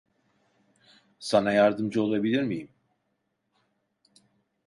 Sana yardımcı olabilir miyim?